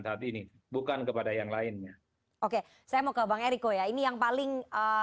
saat ini bukan kepada yang lainnya oke saya mau ke bang eriko ya ini yang paling